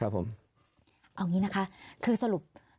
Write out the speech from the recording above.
เอาอย่างนี้นะคะคือสรุป